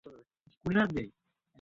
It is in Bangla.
আজকে আমার জন্মদিন।